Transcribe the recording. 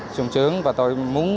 xung sướng và tôi muốn